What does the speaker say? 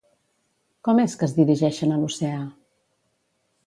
Com és que es dirigeixen a l'oceà?